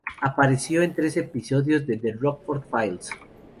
Apareció en tres episodios de "The Rockford Files".